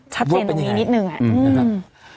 ชัดเจนตรงนี้นิดหนึ่งอ่ะอืมนะครับเอ้า